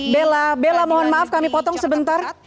bella bella mohon maaf kami potong sebentar